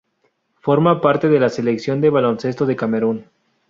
Forma parte de la Selección de baloncesto de Camerún.